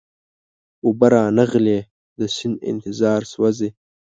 اوبه را نغلې د سیند انتظار سوزي